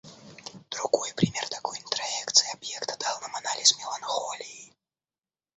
Другой пример такой интроекции объекта дал нам анализ меланхолии.